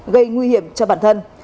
gây nguy hiểm cho bản thân